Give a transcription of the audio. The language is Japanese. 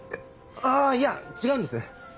あぁいや違うんです！